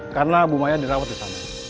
karena bu maya dirawat di sana